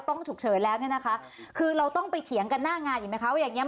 ต้องฉุกเฉินแล้วเนี่ยนะคะคือเราต้องไปเขียงกันหน้างานอย่างนี้ไหมครับ